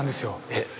えっ！